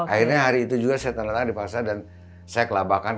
akhirnya hari itu juga saya terlalu dipaksa dan saya kelabakan